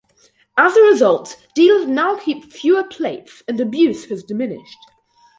As a result, dealers now keep fewer plates and abuse has diminished.